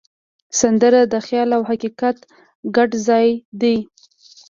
سندره د خیال او حقیقت ګډ ځای دی